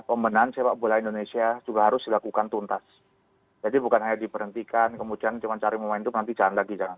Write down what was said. pemenang sepak bola indonesia juga harus dilakukan tuntas jadi bukan hanya diperhentikan kemudian cari momentum nanti jalan lagi